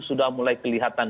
sudah mulai kelihatan